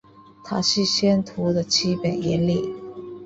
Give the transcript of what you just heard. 它是相图的基本原理。